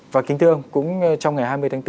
và kính thưa ông cũng trong ngày hai mươi tháng bốn